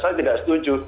saya tidak setuju